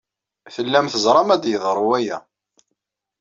Tellam teẓram ad yeḍru waya.